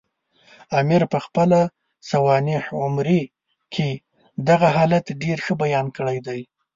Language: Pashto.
امیر پخپله سوانح عمري کې دغه حالت ډېر ښه بیان کړی دی.